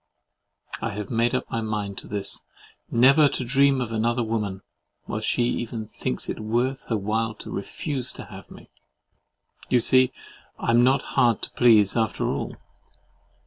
I have made up my mind to this, never to dream of another woman, while she even thinks it worth her while to REFUSE TO HAVE ME. You see I am not hard to please, after all.